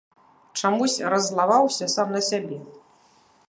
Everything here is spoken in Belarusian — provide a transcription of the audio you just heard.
Чамусь раззлаваўся сам на сябе.